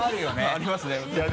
ありますね。